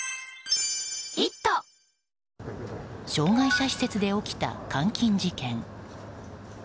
障害者施設で起きた監禁事件。